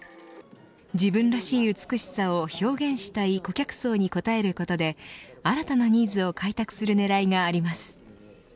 自分らしい美しさを表現したい顧客層に応えることで新たなニーズを開拓する狙いがあります。